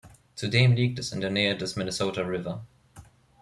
Zudem liegt es in der Nähe des Minnesota River.